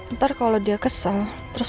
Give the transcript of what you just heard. ntar kalau dia kesel terus